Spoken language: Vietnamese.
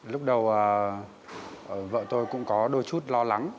lúc đầu vợ tôi cũng có đôi chút lo lắng